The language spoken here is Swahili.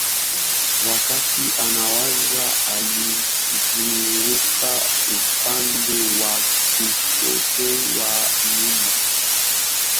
Wakati anawaza alizunguka upande wa kushoto wa nyumba